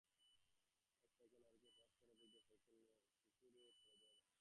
এক সাইকেল আরোহীকে পাশ কাটাতে গিয়ে সাইকেল নিয়ে পুকুরে পড়ে যায় বাসটি।